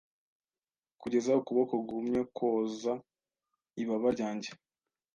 Kugeza ukuboko guhumye Kwoza ibaba ryanjye